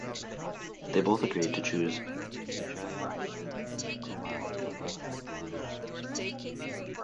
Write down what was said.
They both agreed to choose Vijaya Kumaratunga as the lead role.